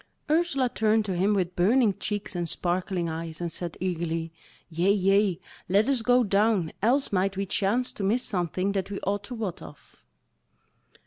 Ursula turned to him with burning cheeks and sparkling eyes, and said eagerly: "Yea, yea, let us go down, else might we chance to miss something that we ought to wot of."